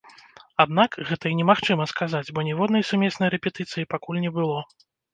Аднак, гэта і немагчыма сказаць, бо ніводнай сумеснай рэпетыцыі пакуль не было.